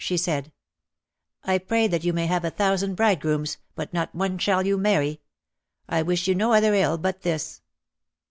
She said, "I pray that you may have a thousand bride grooms but not one shall you marry. I wish you no other ill but this!"